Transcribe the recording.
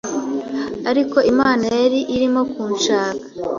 Ariko Imana yari irimo kunshaka.